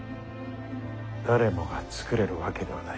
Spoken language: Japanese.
誰もが作れるわけではない。